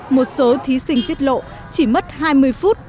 một số thí sinh tiết lộ chỉ mất hai mươi phút